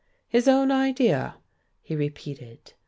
"His own idea!" he repeated.